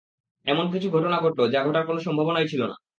এমন কিছু ঘটনা ঘটলো যা ঘটার কোনো সম্ভবনাই ছিলো না।